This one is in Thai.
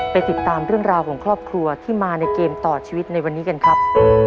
ติดตามเรื่องราวของครอบครัวที่มาในเกมต่อชีวิตในวันนี้กันครับ